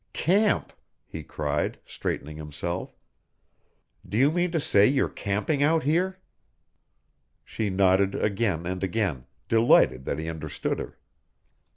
"Camp!" he cried, straightening himself. "Do you mean to say you're camping out here?" She nodded again and again, delighted that he understood her.